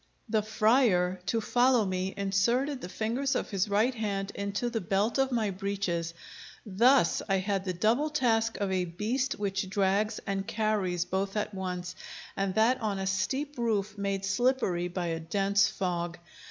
The friar, to follow me, inserted the fingers of his right hand into the belt of my breeches. Thus I had the double task of a beast which drags and carries both at once, and that on a steep roof, made slippery by a dense fog.